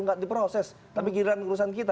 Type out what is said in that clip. tidak diproses tapi kira kira urusan kita